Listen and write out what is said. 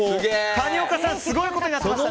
谷岡さんすごいことになっていましたね。